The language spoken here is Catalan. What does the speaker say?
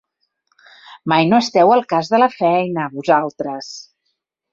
Mai no esteu al cas de la feina, vosaltres!